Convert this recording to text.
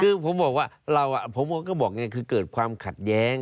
คือผมบอกว่าเราผมก็บอกไงคือเกิดความขัดแย้ง